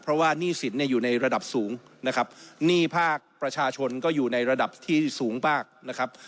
เพราะว่าหนี้สินเนี่ยอยู่ในระดับสูงนะครับหนี้ภาคประชาชนก็อยู่ในระดับที่สูงมากนะครับ